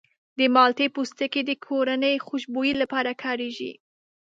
د مالټې پوستکی د کورني خوشبویي لپاره کارېږي.